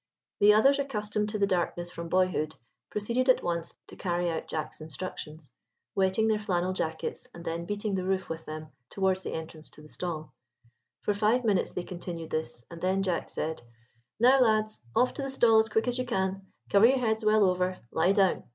The others, accustomed to the darkness from boyhood, proceeded at once to carry out Jack's instructions, wetting their flannel jackets and then beating the roof with them towards the entrance to the stall; for five minutes they continued this, and then Jack said: "Now, lads, off to the stall as quick as you can; cover your heads well over; lie down.